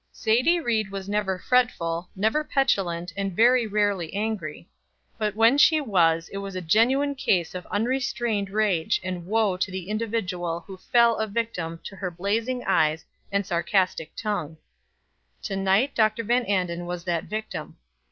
Sadie Ried was never fretful, never petulant, and very rarely angry; but when she was, it was a genuine case of unrestrained rage, and woe to the individual who fell a victim to her blazing eyes and sarcastic tongue. To night Dr. Van Anden was that victim.